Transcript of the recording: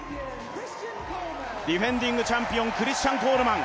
ディフェンディングチャンピオンクリスチャン・コールマン。